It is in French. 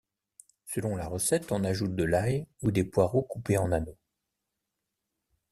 Selon la recette, on ajoute de l'ail ou des poireaux coupés en anneaux.